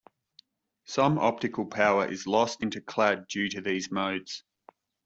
Some optical power is lost into clad due to these modes.